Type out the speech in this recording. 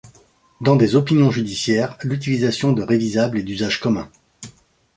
Dans des opinions judiciaires, l'utilisation de révisable est d'usage commun.